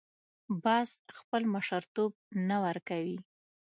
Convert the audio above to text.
باز خپل مشرتوب نه ورکوي